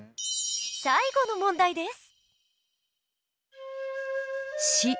最後の問題です。